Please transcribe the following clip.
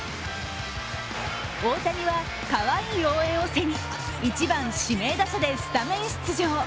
大谷はかわいい応援を背に１番・指名打者でスタメン出場。